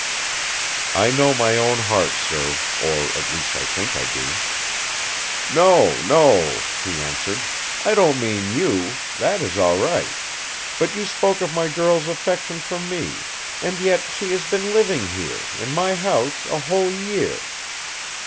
"I know my own heart, sir; or, at least, I think I do!" "No! no!" he answered, "I don't mean you. That is all right! But you spoke of my girl's affection for me ... and yet...! And yet she has been living here, in my house, a whole year....